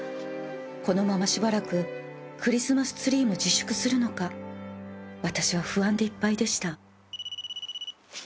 ［このまましばらくクリスマスツリーも自粛するのか私は不安でいっぱいでした］